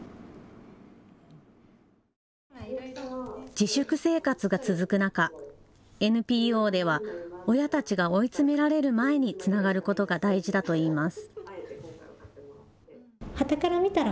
自粛生活が続く中、ＮＰＯでは親たちが追い詰められる前につながることが大事だといいます。